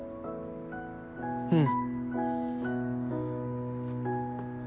うん。